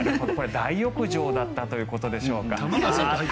大浴場だったということでしょうか。